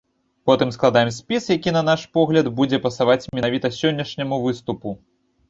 Потым складаем спіс, які, на наш погляд, будзе пасаваць менавіта сённяшняму выступу.